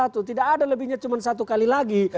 tidak ada lebihnya cuma satu kali lagi